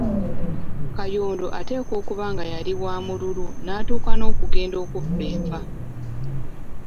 Kayondo ateekwa okuba nga yali wa mululu n’atuuka n’okugenda okubba enva.